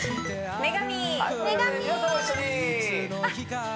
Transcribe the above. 女神